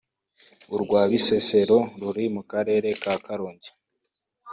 urwa Bisesero ruri mu Karere ka Karongi